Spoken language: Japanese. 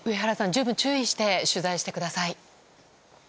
十分注意して取材してください。